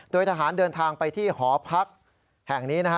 โดยทหารเดินทางไปที่หอพักแห่งนี้นะฮะ